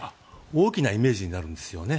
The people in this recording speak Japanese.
大きなイメージになるんですよね。